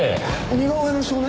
似顔絵の少年？